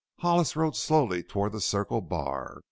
Hollis rode slowly toward the Circle Bar.